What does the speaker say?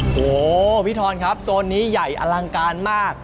โอ้โหพี่ทอนครับโซนนี้ใหญ่อลังการมาก